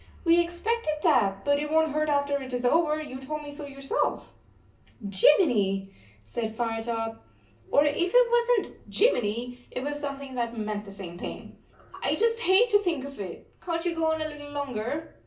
"We expected that. But it won t hurt after it is over; you told me so yourself." 4 * J imminy ! said Firetop, or if it was n t 44 Jimminy " it was something that meant the same thing, (l I just hate to think of it. Can t you go on a little longer?"